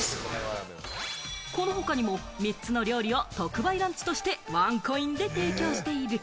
この他にも３つの料理を特売ランチとしてワンコインで提供している。